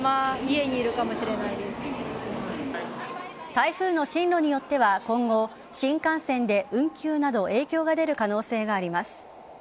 台風の進路によっては今後新幹線で運休など影響が出る可能性があります。